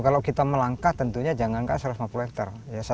kalau kita melangkah tentunya jangankan satu ratus lima puluh hektare